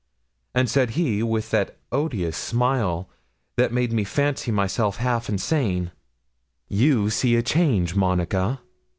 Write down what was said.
And said he, with that odious smile, that made me fancy myself half insane '"You see a change, Monica."